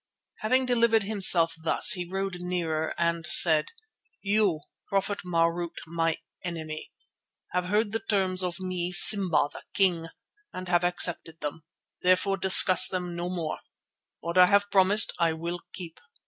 Having delivered himself thus he rode nearer and said: "You, Prophet Marût, my enemy, have heard the terms of me, Simba the King, and have accepted them. Therefore discuss them no more. What I have promised I will keep.